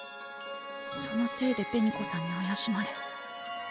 そのせいで紅子さんにあやしまれ。